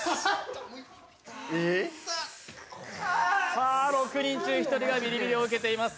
さあ、６人中１人がビリビリを受けています。